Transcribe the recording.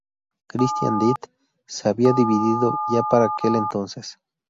Christian Death se había dividido ya para aquel entonces.